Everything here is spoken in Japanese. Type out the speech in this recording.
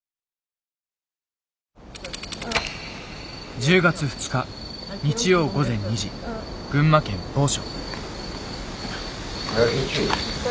１０月２日日曜午前２時群馬県某所。